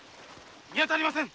見当たりません。